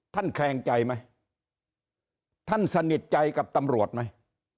แขลงใจไหมท่านสนิทใจกับตำรวจไหม